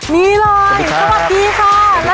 นี่เลยสวัสดีค่ะ